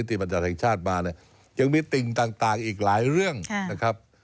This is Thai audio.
บรรยัติแห่งชาติมาเนี่ยยังมีติ่งต่างอีกหลายเรื่องนะครับ